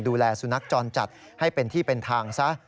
ดูแลสุนัขจรจัดให้เป็นที่เป็นทางซะ